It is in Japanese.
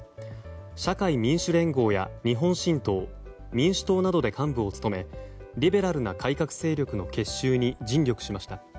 社会民主連合や日本新党民主党などで幹部を務めリベラルな改革勢力の結集に尽力しました。